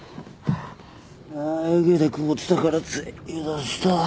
湯気で曇ってたからつい油断した。